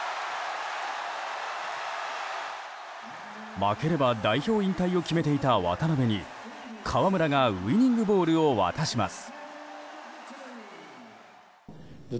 負ければ代表引退を決めていた渡邊に河村がウィニングボールを渡します。